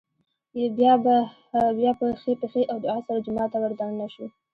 بيا په ښۍ پښې او دعا سره جومات ته ور دننه شو